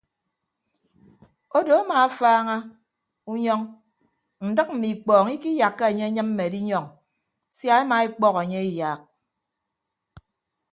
Odo amaafaaña unyọñ ndịk mme ikpọọñ ikiyakka enye enyịmme edinyọñ sia ema ekpọk enye eyaak.